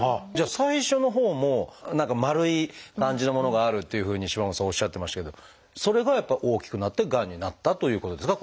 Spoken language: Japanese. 最初のほうも何か丸い感じのものがあるっていうふうに島本さんおっしゃってましたけどそれがやっぱ大きくなってがんになったということですか？